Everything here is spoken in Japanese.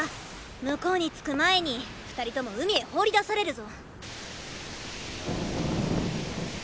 向こうに着く前に２人とも海へ放り出されるぞ！